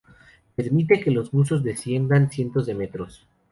Permite que los buzos desciendan cientos de metros.